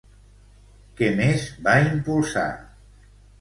Què més va impulsar?